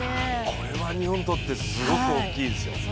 これは日本にとってすごく大きいですよ。